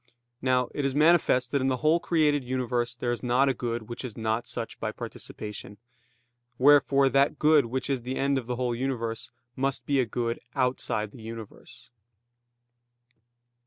Now it is manifest that in the whole created universe there is not a good which is not such by participation. Wherefore that good which is the end of the whole universe must be a good outside the universe.